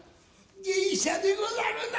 芸者でござるな。